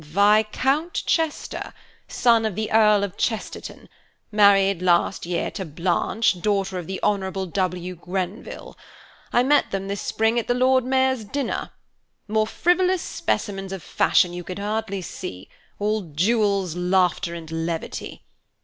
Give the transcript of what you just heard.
"Viscount Chester, son of the Earl of Chesterton, married last year to Blanche, daughter of the Honourable W. Grenville. I met them this spring at the Lord Mayor's dinner. More frivolous specimens of fashion you could hardly see, all jewels, and laughter, and levity.